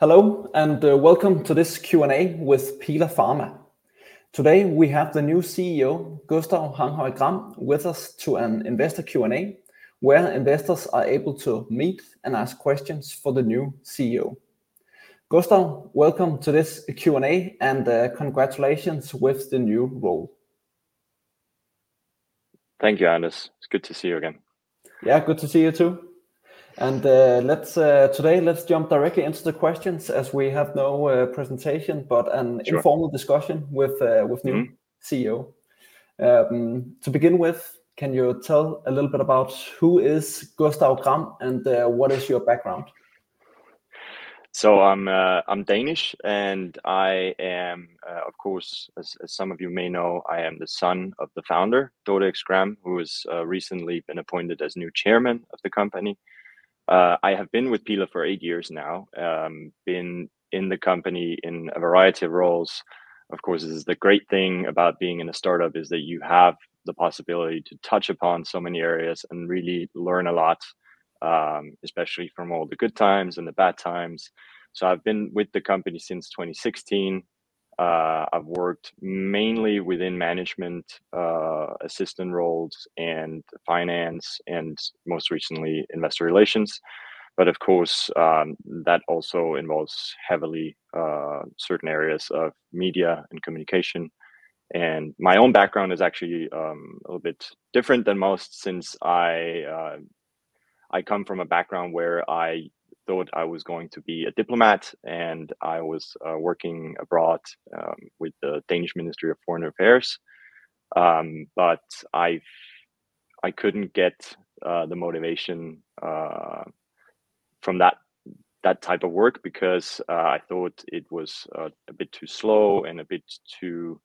Hello and welcome to this Q&A with Pila Pharma. Today we have the new CEO, Gustav Hanghøj Gram, with us to an investor Q&A where investors are able to meet and ask questions for the new CEO. Gustav, welcome to this Q&A and congratulations with the new role. Thank you, Anders. It's good to see you again. Yeah, good to see you too. Today let's jump directly into the questions as we have no presentation but an informal discussion with the new CEO. To begin with, can you tell a little bit about who is Gustav Gram and what is your background? So I'm Danish and I am, of course, as some of you may know, I am the son of the founder, Dorte X. Gram, who has recently been appointed as new Chairman of the company. I have been with Pila for eight years now, been in the company in a variety of roles. Of course, the great thing about being in a startup is that you have the possibility to touch upon so many areas and really learn a lot, especially from all the good times and the bad times. So I've been with the company since 2016. I've worked mainly within management assistant roles and finance and most recently investor relations. But of course, that also involves heavily certain areas of media and communication. My own background is actually a little bit different than most since I come from a background where I thought I was going to be a diplomat and I was working abroad with the Danish Ministry of Foreign Affairs. But I couldn't get the motivation from that type of work because I thought it was a bit too slow and a bit too,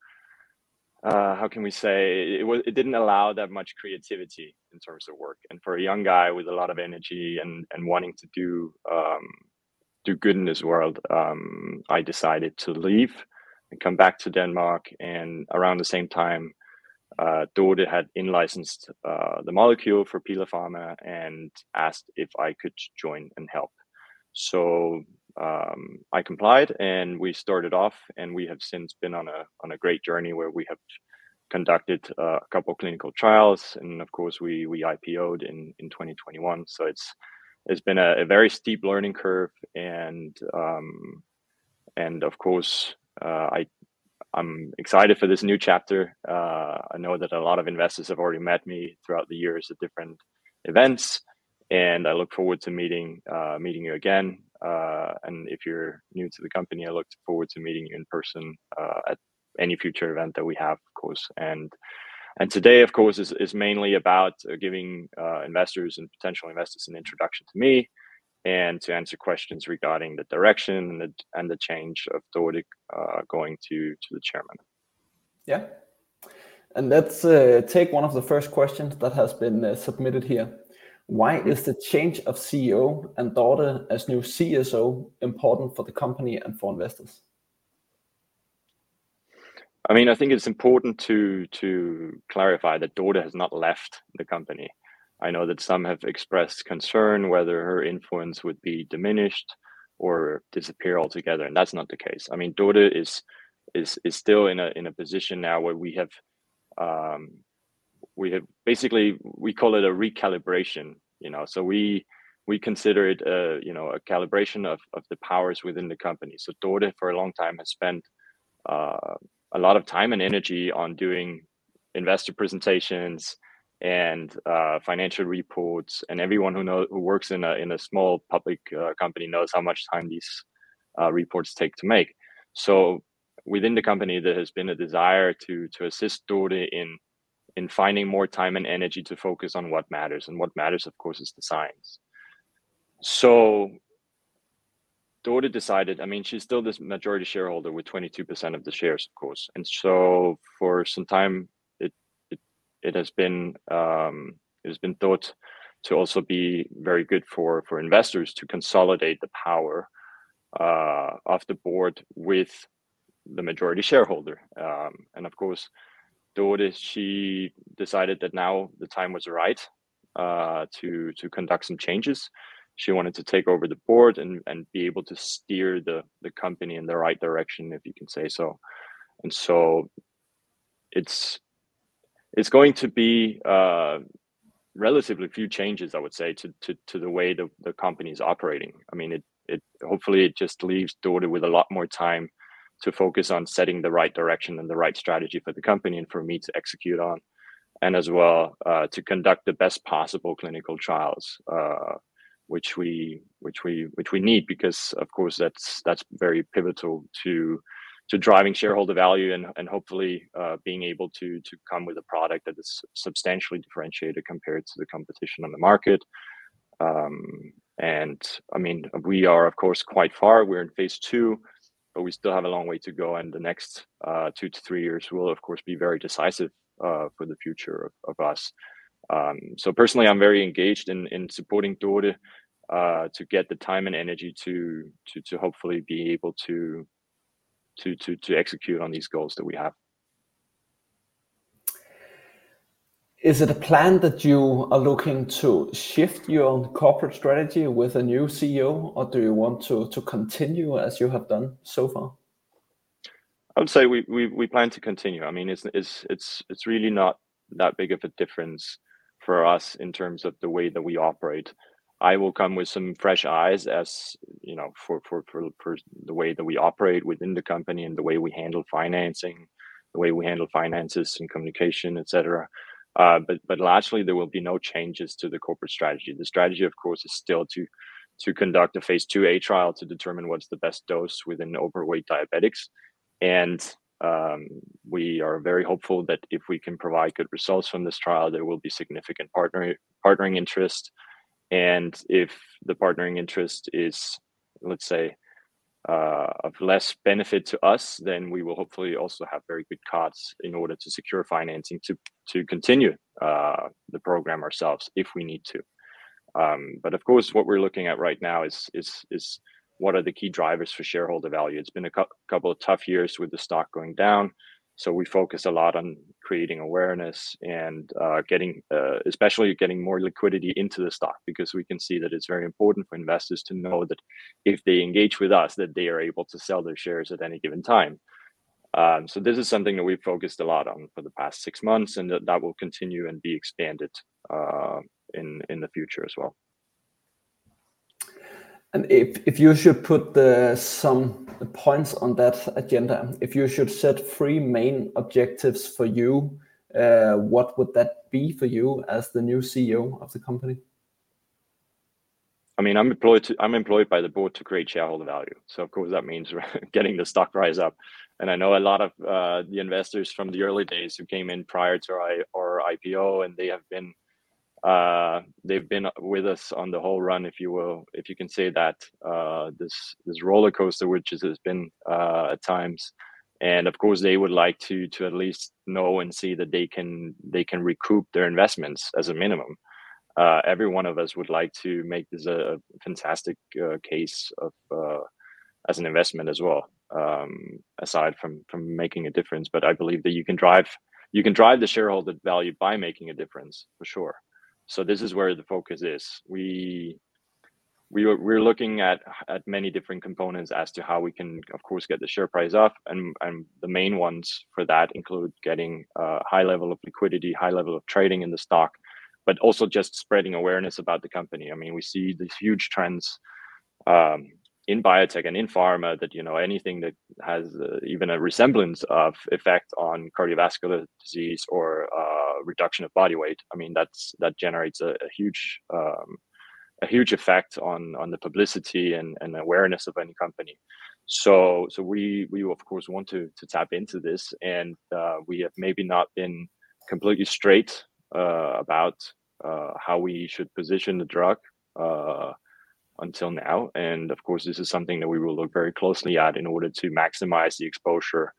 how can we say, it didn't allow that much creativity in terms of work. For a young guy with a lot of energy and wanting to do good in this world, I decided to leave and come back to Denmark. Around the same time, Dorte had in-licensed the molecule for Pila Pharma and asked if I could join and help. So I complied and we started off and we have since been on a great journey where we have conducted a couple of clinical trials and of course we IPOed in 2021. So it's been a very steep learning curve and of course I'm excited for this new chapter. I know that a lot of investors have already met me throughout the years at different events and I look forward to meeting you again. And if you're new to the company, I look forward to meeting you in person at any future event that we have, of course. And today, of course, is mainly about giving investors and potential investors an introduction to me and to answer questions regarding the direction and the change of Dorte going to the chairman. Yeah. Let's take one of the first questions that has been submitted here. Why is the change of CEO and Dorte as new CSO important for the company and for investors? I mean, I think it's important to clarify that Dorte has not left the company. I know that some have expressed concern whether her influence would be diminished or disappear altogether and that's not the case. I mean, Dorte is still in a position now where we have basically, we call it a recalibration. So we consider it a calibration of the powers within the company. So Dorte, for a long time, has spent a lot of time and energy on doing investor presentations and financial reports and everyone who works in a small public company knows how much time these reports take to make. So within the company, there has been a desire to assist Dorte in finding more time and energy to focus on what matters. And what matters, of course, is the science. So Dorte decided, I mean, she's still this majority shareholder with 22% of the shares, of course. And so for some time, it has been thought to also be very good for investors to consolidate the power of the board with the majority shareholder. And of course, Dorte, she decided that now the time was right to conduct some changes. She wanted to take over the board and be able to steer the company in the right direction, if you can say so. And so it's going to be relatively few changes, I would say, to the way the company is operating. I mean, hopefully it just leaves Dorte with a lot more time to focus on setting the right direction and the right strategy for the company and for me to execute on and as well to conduct the best possible clinical trials, which we need because, of course, that's very pivotal to driving shareholder value and hopefully being able to come with a product that is substantially differentiated compared to the competition on the market. I mean, we are, of course, quite far. We're in phase 2, but we still have a long way to go and the next 2-3 years will, of course, be very decisive for the future of us. So personally, I'm very engaged in supporting Dorte to get the time and energy to hopefully be able to execute on these goals that we have. Is it a plan that you are looking to shift your corporate strategy with a new CEO or do you want to continue as you have done so far? I would say we plan to continue. I mean, it's really not that big of a difference for us in terms of the way that we operate. I will come with some fresh eyes as for the way that we operate within the company and the way we handle financing, the way we handle finances and communication, etc. But lastly, there will be no changes to the corporate strategy. The strategy, of course, is still to conduct a phase 2a trial to determine what's the best dose within overweight diabetics. And we are very hopeful that if we can provide good results from this trial, there will be significant partnering interest. And if the partnering interest is, let's say, of less benefit to us, then we will hopefully also have very good cards in order to secure financing to continue the program ourselves if we need to. But of course, what we're looking at right now is what are the key drivers for shareholder value. It's been a couple of tough years with the stock going down. So we focus a lot on creating awareness and especially getting more liquidity into the stock because we can see that it's very important for investors to know that if they engage with us, that they are able to sell their shares at any given time. So this is something that we've focused a lot on for the past six months and that will continue and be expanded in the future as well. If you should put some points on that agenda, if you should set three main objectives for you, what would that be for you as the new CEO of the company? I mean, I'm employed by the board to create shareholder value. So of course, that means getting the stock rise up. And I know a lot of the investors from the early days who came in prior to our IPO and they have been with us on the whole run, if you will, if you can say that, this roller coaster which it has been at times. And of course, they would like to at least know and see that they can recoup their investments as a minimum. Every one of us would like to make this a fantastic case as an investment as well, aside from making a difference. But I believe that you can drive the shareholder value by making a difference, for sure. So this is where the focus is. We're looking at many different components as to how we can, of course, get the share price up. And the main ones for that include getting a high level of liquidity, high level of trading in the stock, but also just spreading awareness about the company. I mean, we see these huge trends in biotech and in pharma that anything that has even a resemblance of effect on cardiovascular disease or reduction of body weight, I mean, that generates a huge effect on the publicity and awareness of any company. So we, of course, want to tap into this and we have maybe not been completely straight about how we should position the drug until now. And of course, this is something that we will look very closely at in order to maximize the exposure of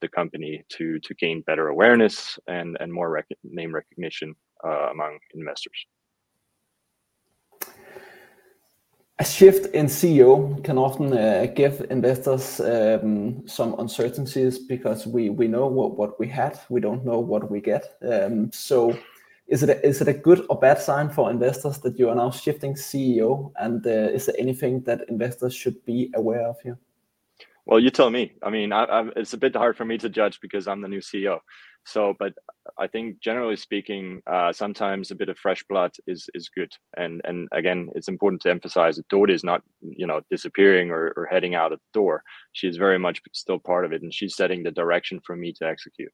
the company to gain better awareness and more name recognition among investors. A shift in CEO can often give investors some uncertainties because we know what we had, we don't know what we get. So is it a good or bad sign for investors that you are now shifting CEO and is there anything that investors should be aware of here? Well, you tell me. I mean, it's a bit hard for me to judge because I'm the new CEO. But I think generally speaking, sometimes a bit of fresh blood is good. And again, it's important to emphasize that Dorte is not disappearing or heading out of the door. She's very much still part of it and she's setting the direction for me to execute.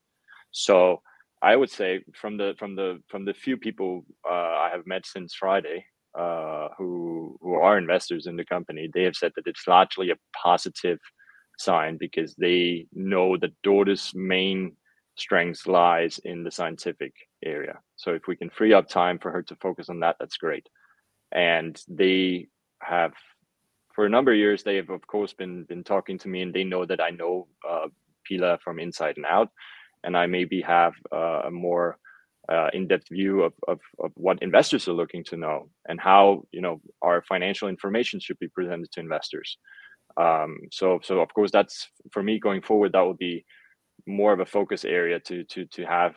So I would say from the few people I have met since Friday who are investors in the company, they have said that it's largely a positive sign because they know that Dorte's main strength lies in the scientific area. So if we can free up time for her to focus on that, that's great. For a number of years, they have, of course, been talking to me and they know that I know Pila from inside and out and I maybe have a more in-depth view of what investors are looking to know and how our financial information should be presented to investors. Of course, for me going forward, that would be more of a focus area to have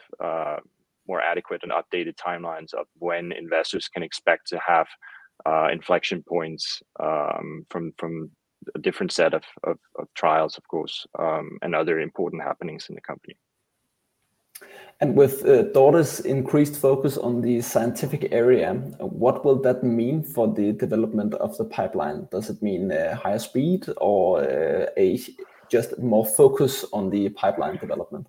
more adequate and updated timelines of when investors can expect to have inflection points from a different set of trials, of course, and other important happenings in the company. With Dorte's increased focus on the scientific area, what will that mean for the development of the pipeline? Does it mean higher speed or just more focus on the pipeline development?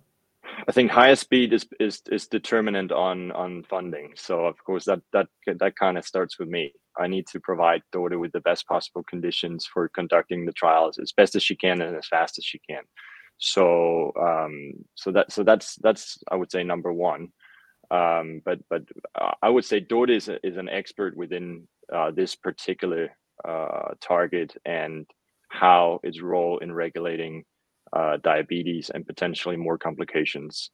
I think higher speed is determinant on funding. So of course, that kind of starts with me. I need to provide Dorte with the best possible conditions for conducting the trials as best as she can and as fast as she can. So that's, I would say, number one. But I would say Dorte is an expert within this particular target and how its role in regulating diabetes and potentially more complications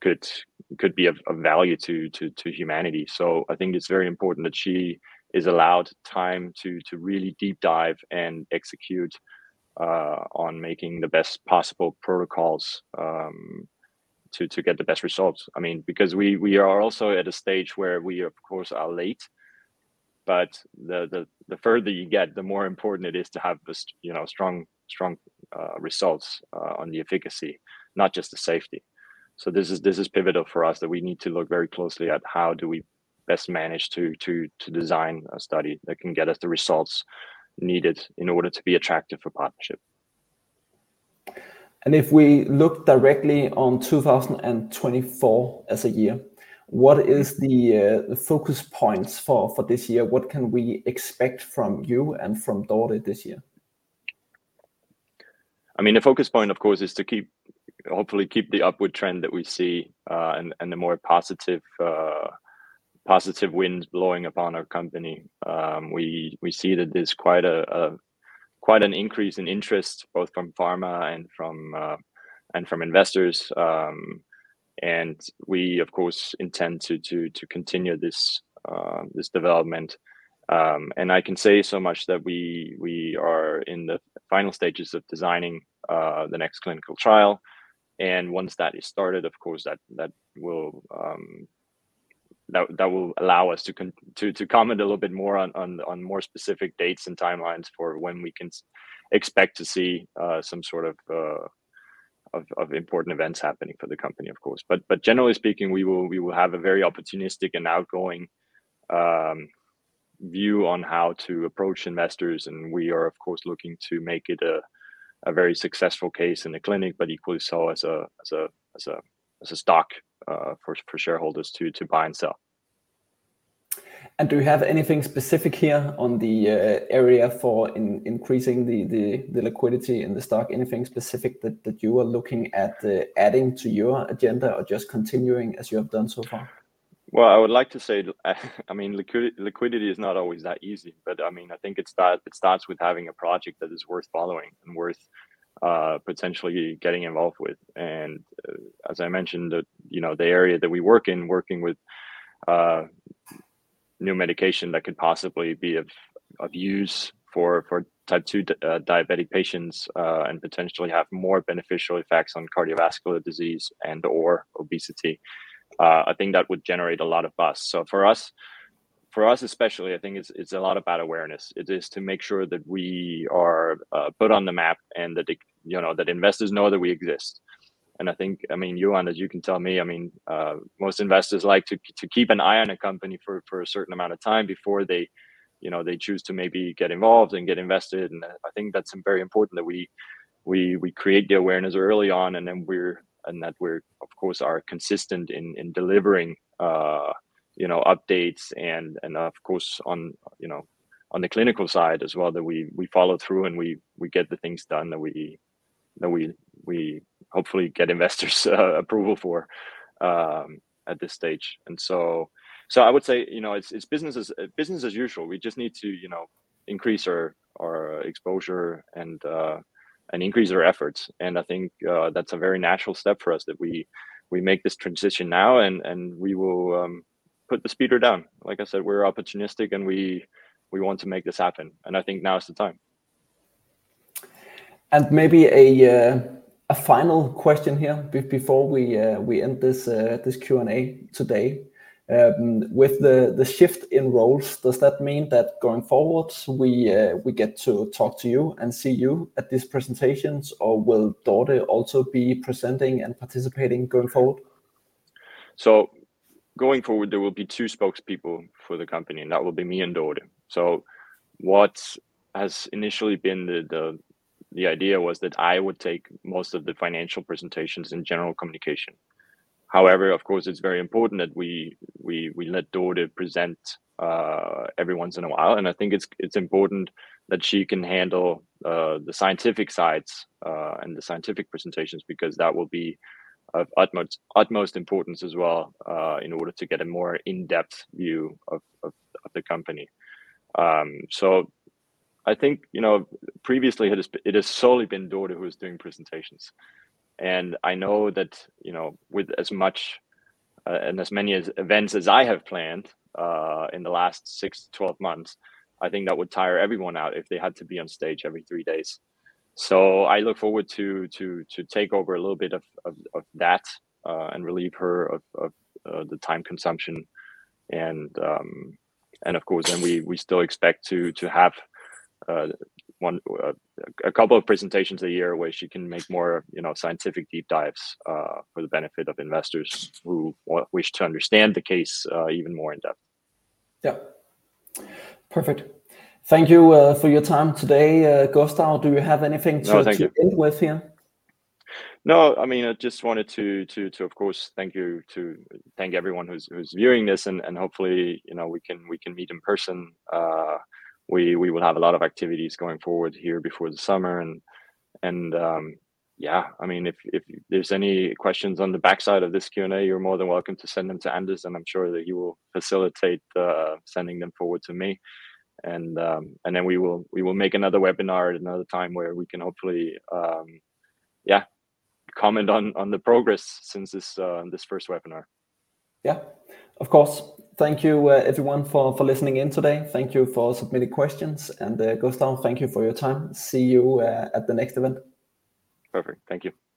could be of value to humanity. So I think it's very important that she is allowed time to really deep dive and execute on making the best possible protocols to get the best results. I mean, because we are also at a stage where we, of course, are late. But the further you get, the more important it is to have strong results on the efficacy, not just the safety. This is pivotal for us that we need to look very closely at how do we best manage to design a study that can get us the results needed in order to be attractive for partnership. If we look directly on 2024 as a year, what is the focus points for this year? What can we expect from you and from Dorte this year? I mean, the focus point, of course, is to hopefully keep the upward trend that we see and the more positive winds blowing upon our company. We see that there's quite an increase in interest both from pharma and from investors. And we, of course, intend to continue this development. And I can say so much that we are in the final stages of designing the next clinical trial. And once that is started, of course, that will allow us to comment a little bit more on more specific dates and timelines for when we can expect to see some sort of important events happening for the company, of course. But generally speaking, we will have a very opportunistic and outgoing view on how to approach investors. We are, of course, looking to make it a very successful case in the clinic, but equally so as a stock for shareholders to buy and sell. Do you have anything specific here on the area for increasing the liquidity in the stock? Anything specific that you are looking at adding to your agenda or just continuing as you have done so far? Well, I would like to say, I mean, liquidity is not always that easy. But I mean, I think it starts with having a project that is worth following and worth potentially getting involved with. And as I mentioned, the area that we work in, working with new medication that could possibly be of use for type 2 diabetic patients and potentially have more beneficial effects on cardiovascular disease and/or obesity, I think that would generate a lot of buzz. So for us especially, I think it's a lot about awareness. It is to make sure that we are put on the map and that investors know that we exist. And I mean, Johan, as you can tell me, I mean, most investors like to keep an eye on a company for a certain amount of time before they choose to maybe get involved and get invested. I think that's very important that we create the awareness early on and that we're, of course, are consistent in delivering updates and, of course, on the clinical side as well that we follow through and we get the things done that we hopefully get investors' approval for at this stage. So I would say it's business as usual. We just need to increase our exposure and increase our efforts. I think that's a very natural step for us that we make this transition now and we will put the speeder down. Like I said, we're opportunistic and we want to make this happen. I think now is the time. Maybe a final question here before we end this Q&A today. With the shift in roles, does that mean that going forward we get to talk to you and see you at these presentations or will Dorte also be presenting and participating going forward? So going forward, there will be two spokespeople for the company and that will be me and Dorte. What has initially been the idea was that I would take most of the financial presentations and general communication. However, of course, it's very important that we let Dorte present every once in a while. I think it's important that she can handle the scientific sides and the scientific presentations because that will be of utmost importance as well in order to get a more in-depth view of the company. So I think previously it has solely been Dorte who was doing presentations. And I know that with as many events as I have planned in the last 6-12 months, I think that would tire everyone out if they had to be on stage every three days. I look forward to take over a little bit of that and relieve her of the time consumption. Of course, then we still expect to have a couple of presentations a year where she can make more scientific deep dives for the benefit of investors who wish to understand the case even more in-depth. Yeah. Perfect. Thank you for your time today, Gustav. Do you have anything to end with here? No. I mean, I just wanted to, of course, thank everyone who's viewing this and hopefully we can meet in person. We will have a lot of activities going forward here before the summer. Yeah, I mean, if there's any questions on the backside of this Q&A, you're more than welcome to send them to Anders and I'm sure that he will facilitate sending them forward to me. And then we will make another webinar at another time where we can hopefully, yeah, comment on the progress since this first webinar. Yeah. Of course. Thank you, everyone, for listening in today. Thank you for submitting questions. Gustav, thank you for your time. See you at the next event. Perfect. Thank you.